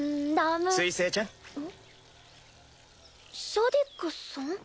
シャディクさん？